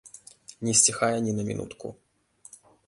Не сціхае ні на мінутку.